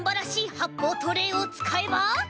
はっぽうトレーをつかえば。